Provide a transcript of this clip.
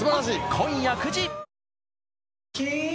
今夜９時。